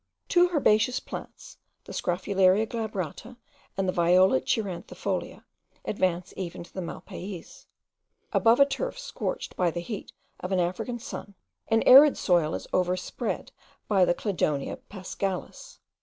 Two herbaceous plants, the Scrophularia glabrata and the Viola cheiranthifolia, advance even to the Malpays. Above a turf scorched by the heat of an African sun, an arid soil is overspread by the Cladonia paschalis.